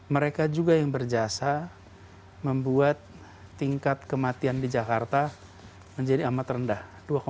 mereka juga yang berjasa membuat tingkat kematian di jakarta menjadi amat rendah